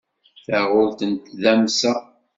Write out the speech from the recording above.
Taɣult n tdamsa.